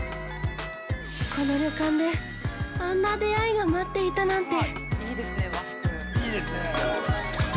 この旅館で、あんな出会いが待っていたなんて。